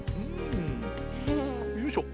よいしょ。